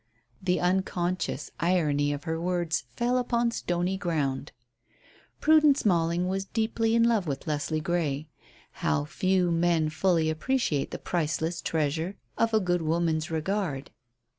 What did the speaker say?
The unconscious irony of her words fell upon stony ground. Prudence Malling was deeply in love with Leslie Grey. How few men fully appreciate the priceless treasure of a good woman's regard.